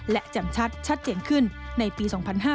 และจำชัดเจนขึ้นในปี๒๕๕๙